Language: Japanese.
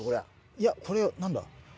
いやこれ何だ？